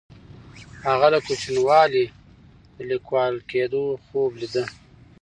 هغه له کوچنیوالي د لیکوال کیدو خوب لیده.